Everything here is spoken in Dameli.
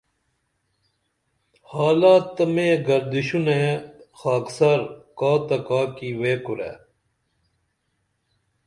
حالات تہ میں گردشونئیں خاکسار کاتہ کاکی ویکورے